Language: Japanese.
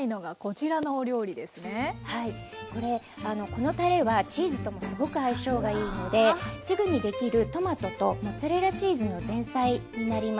このたれはチーズともすごく相性がいいのですぐにできるトマトとモッツァレラチーズの前菜になります。